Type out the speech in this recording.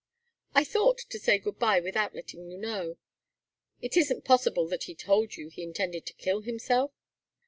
"I thought to say good bye without letting you know it isn't possible that he told you he intended to kill himself?"